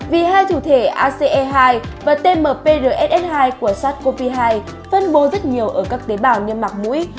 vì hai thụ thể ace hai và tmprss hai của sars cov hai phân bố rất nhiều ở các tế bào niêm mặc mũi